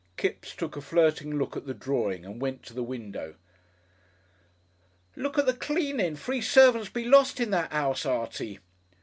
Kipps took a flirting look at the drawing and went to the window. "Look at the cleanin'. Free servants'll be lost in that 'ouse, Artie."